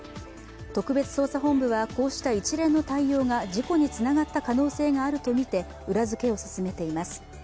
特別捜査本部はこうした一連の対応が事故につながった可能性があるとみて裏づけを進めています。